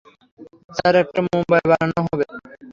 Sir, এটা মুম্বাইয়ে বানানো হয়।